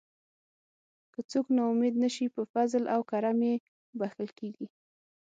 که څوک نا امید نشي په فضل او کرم یې بښل کیږي.